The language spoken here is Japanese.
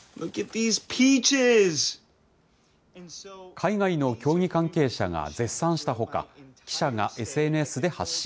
海外の競技関係者が絶賛したほか、記者がＳＮＳで発信。